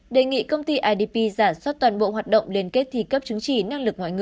đề nghị công ty idp giả soát toàn bộ hoạt động liên kết thi cấp chứng chỉ năng lực ngoại ngữ